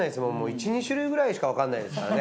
１２種類くらいしかわかんないですからね。